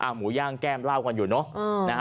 หมูย่างแก้มเหล้ากันอยู่เนอะ